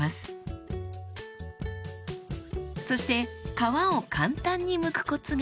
そして皮を簡単にむくコツが。